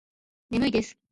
眠いです